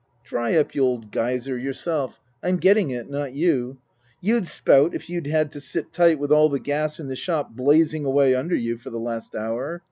" Dry up, you old Geyser, yourself. I'm getting it, not you. You'd spout if you'd had to sit tight with all the gas in the shop blazing away under you for the last hour.